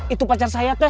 itu pacar saya teh